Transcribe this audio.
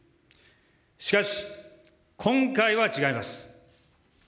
しかし、今回は違います。